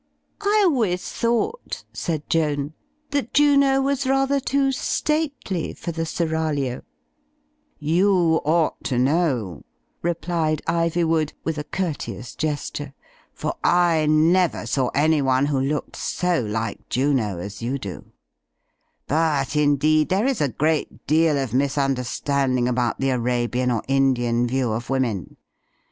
"I always thought," said Joan, "that Juno was rather too stately for the seraglio." "You ought to know," replied Iv3rwood, with a Digitized by CjOOQ IC THE ENIGMAS OF LADY JOAN 305 courteous gesture, "for I never saw anyone who looked so like Juno as you do. But, indeed, there is a great deal of misunderstanding about the Arabian or Indian view of women.